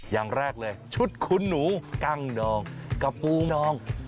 อย่างแรกเลยชุดขุนหนูกั้งดองกับปูนอง